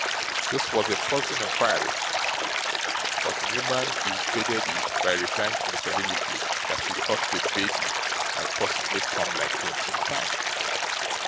This was a puzzling inquiry; but Newman evaded it, by replying to Mr Lillyvick, that he thought the baby might possibly come like him in time.